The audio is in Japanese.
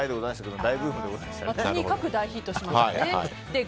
とにかく大ヒットしましたね。